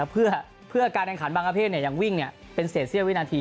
เพื่อการแข่งขันบางประเภทยังวิ่งเป็นเศษเสี้ยวินาที